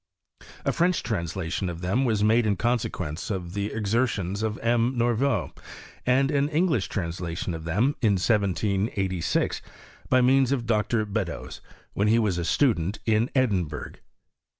A French translation of them was made in conaeqaence of the exertions of M. Mor veau ; and an English translation of them, in 1786, by means of Dr. Beddoes, when he was a student in Edinburgh.